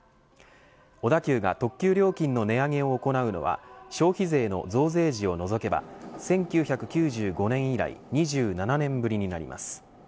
小田急が特急料金の値上げを行うのは消費税の増税時を除けば１９９５年以来２７年ぶりになります。